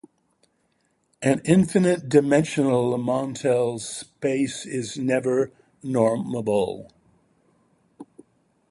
An infinite-dimensional Montel space is never normable.